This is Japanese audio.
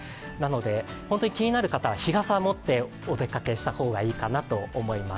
本当に気になる方は日傘を持ってお出かけした方がいいかなと思います。